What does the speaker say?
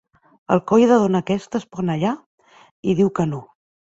El coi de dona aquesta es pon allà, i diu que no.